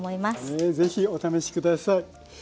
ねえぜひお試し下さい。